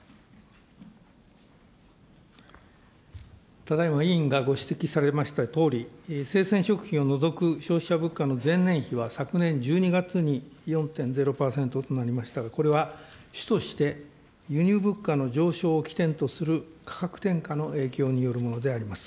ただいま、委員がご指摘されましたとおり、生鮮食品を除く消費者物価の前年比は昨年１２月に４．０％となりましたが、これは主として輸入物価の上昇を起点とする価格転嫁の影響によるものであります。